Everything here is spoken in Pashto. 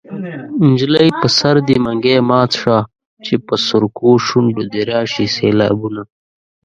نجلۍ په سر دې منګی مات شه چې په سرکو شونډو دې راشي سېلابونه